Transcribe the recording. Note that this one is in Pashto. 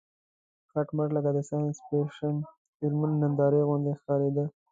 کټ مټ لکه د ساینس فېکشن فلمونو نندارې غوندې ښکارېده.